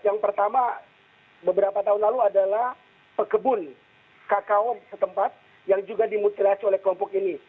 yang pertama beberapa tahun lalu adalah pekebun kkom setempat yang juga dimutilasi oleh kelompok ini